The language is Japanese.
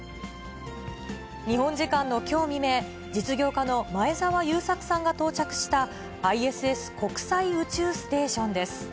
日本時間のきょう未明、実業家の前澤友作さんが到着した、ＩＳＳ・国際宇宙ステーションです。